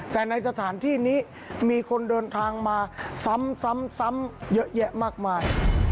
แต่ในสถานที่นี้มีคนเดินทางมาซ้ำเยอะแยะมากมาย